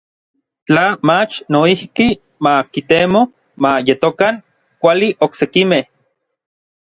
Tla mach noijki ma kitemo ma yetokan kuali oksekimej.